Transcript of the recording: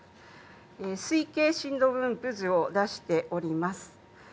推計震度分布図を出しております。